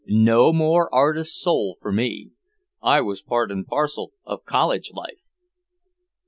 No more artist's soul for me. I was part and parcel of college life.